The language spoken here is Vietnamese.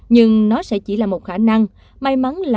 nhưng nó sẽ chỉ là một khả năng